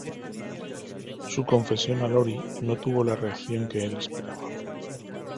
Su confesión a Lori no tuvo la reacción que el esperaba.